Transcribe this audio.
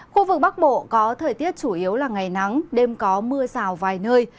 khu vực bắc bộ có thời tiết chủ yếu là ngày nắng đêm có mưa rào vài nơi